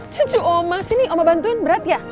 cucu oma sini oma bantuin berat ya